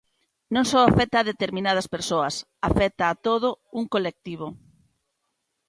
Non só afecta a determinadas persoas, afecta a todo un colectivo.